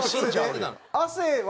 亜生は。